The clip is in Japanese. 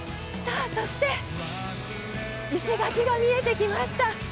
そして、石垣が見えてきました。